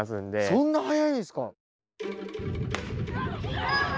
そんな速いんですか！？